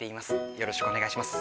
よろしくお願いします。